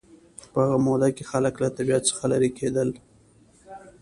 په هغه موده کې خلک له طبیعت څخه لېرې کېدل